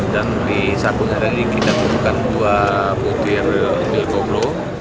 dan di sabun hari ini kita buka dua butir pil double l